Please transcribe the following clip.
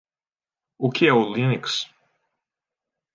O que é o Linux?